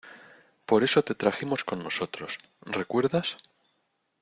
por eso te trajimos con nosotros. ¿ recuerdas?